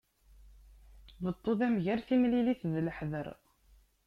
Beṭṭu d amger, timlilit d leḥder.